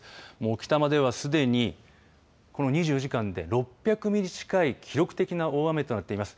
置賜では、すでに２４時間で６００ミリ近い記録的な大雨となっています。